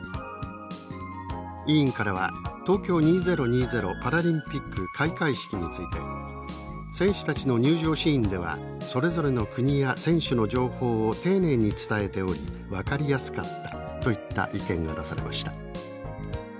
委員からは東京２０２０パラリンピック「開会式」について「選手たちの入場シーンではそれぞれの国や選手の情報を丁寧に伝えており分かりやすかった」といった意見が出されました。